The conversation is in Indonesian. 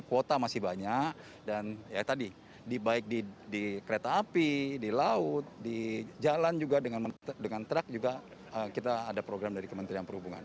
kuota masih banyak dan ya tadi baik di kereta api di laut di jalan juga dengan truk juga kita ada program dari kementerian perhubungan